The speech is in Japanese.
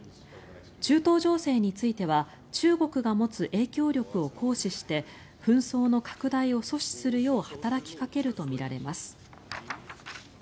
中東情勢については中国が持つ影響力を行使して紛争の拡大を阻止するよう働きかけるとみられます。